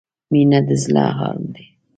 • مینه د زړۀ ارام دی.